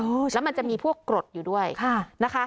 โอ้ใช่แล้วมันจะมีพวกกรดอยู่ด้วยค่ะ